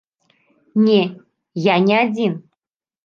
Не, я не адзін.